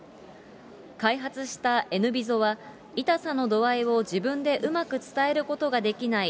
開発したエヌビソは痛さの度合いを自分でうまく伝えることができない